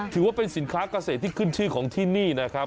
ถือว่าเป็นสินค้าเกษตรที่ขึ้นชื่อของที่นี่นะครับ